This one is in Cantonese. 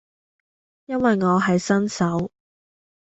因為我係新手